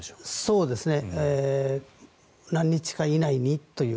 そうですね。